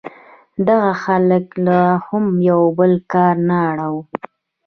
دغه هلک لا هم یو بل کار ته اړ و